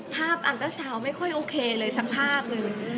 อันเตอร์ซาวน์ไม่ค่อยโอเคเลยสักภาพหนึ่ง